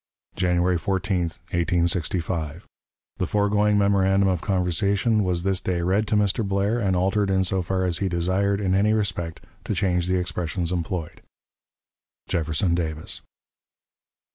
"January 14, 1865. "The foregoing memorandum of conversation was this day read to Mr. Blair, and altered in so far as he desired, in any respect, to change the expressions employed. "JEFFERSON DAVIS."